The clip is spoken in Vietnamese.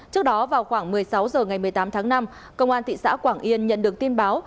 trước đó vào khoảng một mươi sáu h ngày một mươi tám tháng năm công an thị xã quảng yên nhận được tin báo